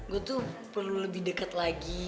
gue tuh perlu lebih dekat lagi